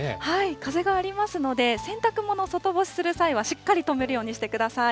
風もありますので、洗濯物、外干しする際はしっかりとめるようにしてください。